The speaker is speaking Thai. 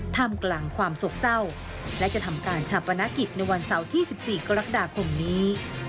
ท่ามกลางความโศกเศร้าและจะทำการชาปนกิจในวันเสาร์ที่๑๔กรกฎาคมนี้